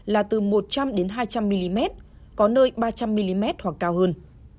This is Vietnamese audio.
là từ một trăm linh hai trăm linh mm có nơi ba trăm linh mm hoặc cao hơn